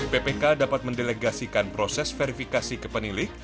ppk dapat mendelegasikan proses verifikasi ke pemilik